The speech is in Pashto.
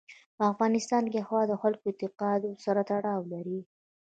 په افغانستان کې هوا د خلکو د اعتقاداتو سره تړاو لري.